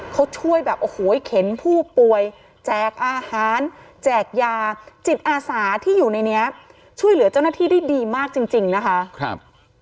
เขาช่วยแบบโอ้โหเข็นผู้ป่วยแจกอาหารแจกยาจิตอาสาที่อยู่ในนี้ช่วยเหลือเจ้าหน้าที่ได้ดีมากจริงจริงนะคะครับ